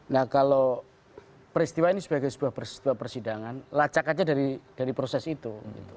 nah kalau peristiwa ini sebagai sebuah persidangan lacak aja dari proses itu